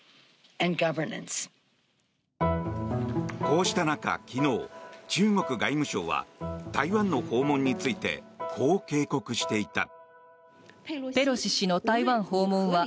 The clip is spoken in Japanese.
こうした中、昨日中国外務省は台湾の訪問についてこう警告していた。